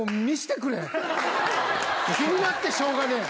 気になってしょうがねえ！